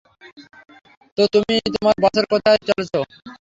তো তুমি তোমার বসের কথায় চলছো।